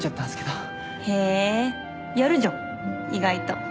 へやるじゃん意外と。